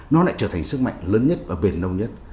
nó lại trở thành sức mạnh lớn nhất và bền lâu nhất